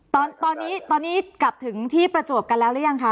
ตอนนี้ตอนนี้กลับถึงที่ประจวบกันแล้วหรือยังคะ